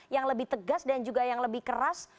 yang lebih tegas dan juga yang lebih keras